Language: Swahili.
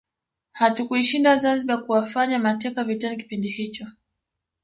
Hatukuishinda Zanzibar kuwafanya mateka vitani kipindi hicho